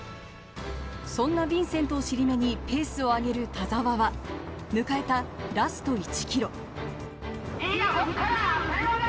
そんなヴィンセントを尻目にペースを上げる田澤は迎えたラスト１ｋｍ。